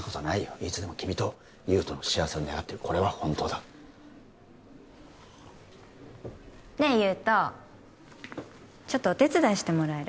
いつでも君と優人の幸せを願ってるこれは本当だねえ優人ちょっとお手伝いしてもらえる？